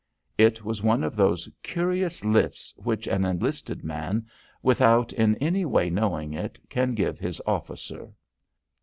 It was one of those curious lifts which an enlisted man, without in any way knowing it, can give his officer.